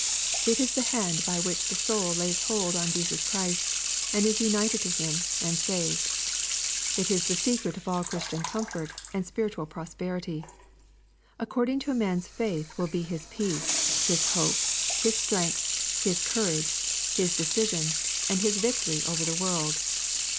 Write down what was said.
It is the hand by which the soul lays hold on Jesus Christ, and is united to Him, and saved. It is the secret of all Christian comfort, and spiritual prosperity. Ac cording to a man's faith will be his peace, his hope, his strength, his courage, his decision, and his victory over the world.